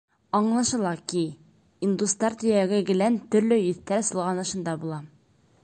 Аңлашыла ки, индустар төйәге гелән төрлө еҫтәр солғанышында була.